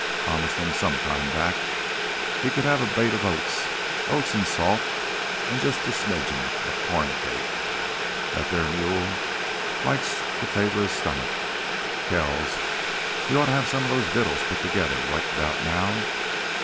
Promised him some time back he could have a bait o' oats—oats an' salt, an' jus' a smidgen o' corn cake. That thar mule likes t' favor his stomach. Kells, he ought t' have them vittles put together right 'bout now.